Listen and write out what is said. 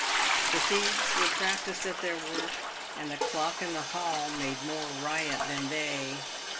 The thieves were practised at their work, and the clock in the hall made more riot than they.